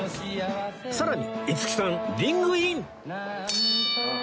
さらに五木さんリングイン！